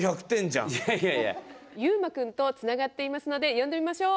ゆうまくんとつながっていますので呼んでみましょう。